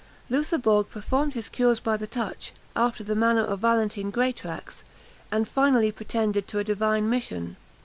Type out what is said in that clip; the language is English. Loutherbourg performed his cures by the touch, after the manner of Valentine Greatraks, and finally pretended to a divine mission.